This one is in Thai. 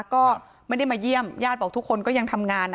ก็ไม่ได้มาเยี่ยมญาติบอกทุกคนก็ยังทำงาน